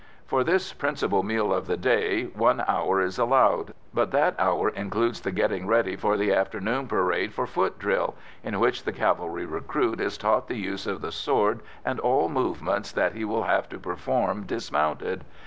For this principal meal of the day one hour is allowed; but that hour includes the getting ready for the afternoon parade for foot drill, in which the cavalry recruit is taught the use of the sword and all movements that he will have to perform dismounted.